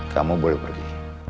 kamu boleh pergi